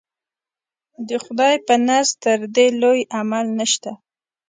د خدای په نزد تر دې لوی عمل نشته.